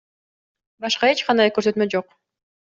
Башка эч кандай көрсөтмө жок.